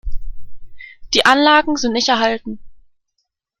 Die Anlagen sind nicht erhalten.